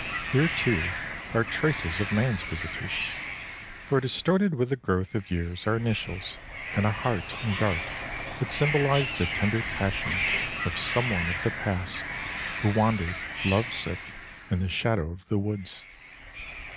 Here, too, are traces of man's visitation, for distorted with the growth of years are initials, and a heart and dart that symbolized the tender passion of some one of the past, who wandered, love sick, in the shadow of the woods.